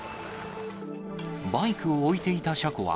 バイクを置いていた車庫は、